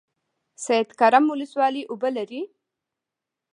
سید کرم ولسوالۍ اوبه لري؟